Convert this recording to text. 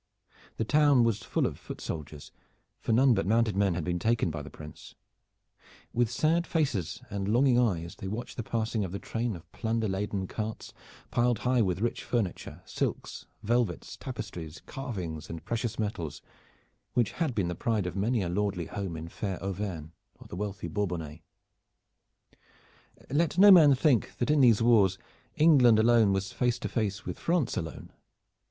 The town was full of foot soldiers, for none but mounted men had been taken by the Prince. With sad faces and longing eyes they watched the passing of the train of plunder laden carts, piled high with rich furniture, silks, velvets, tapestries, carvings, and precious metals, which had been the pride of many a lordly home in fair Auvergne or the wealthy Bourbonnais. Let no man think that in these wars England alone was face to face with France alone.